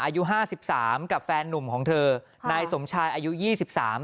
อายุห้าสิบสามกับแฟนนุ่มของเธอนายสมชายอายุยี่สิบสาม